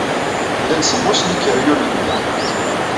Llan semmus n yikeryunen da.